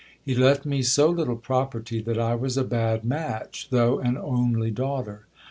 He left me so little property, that I was a bad match, though an only daughter.